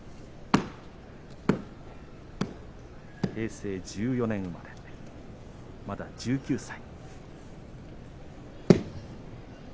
平成１４年生まれ、まだ１９歳。